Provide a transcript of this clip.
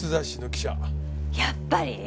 やっぱり！